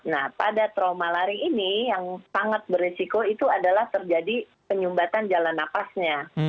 nah pada trauma laring ini yang sangat beresiko itu adalah terjadi penyumbatan jalan nafasnya